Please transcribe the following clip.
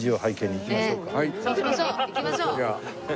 行きましょう。